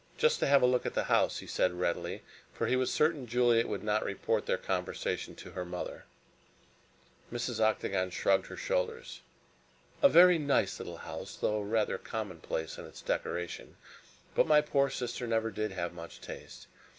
"Just to have a look at the house," he said readily, for he was certain Juliet would not report their conversation to her mother. Mrs. Octagon shrugged her shoulders. "A very nice little house, though rather commonplace in its decoration; but my poor sister never did have much taste.